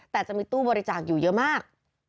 แต่จะมีตู้บริจาคอยู่เยอะมาก